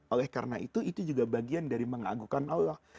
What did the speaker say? oleh karena itu itu juga bagian dari mengaguhkan allah